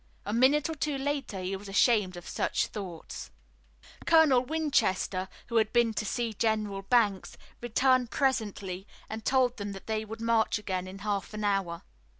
A minute or two later he was ashamed of such thoughts. Colonel Winchester, who had been to see General Banks, returned presently and told them that they would march again in half an hour.